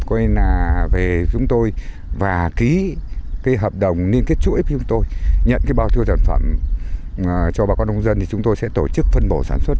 nên là về chúng tôi và ký cái hợp đồng liên kết chuỗi với chúng tôi nhận cái bao tiêu sản phẩm cho bà con nông dân thì chúng tôi sẽ tổ chức phân bổ sản xuất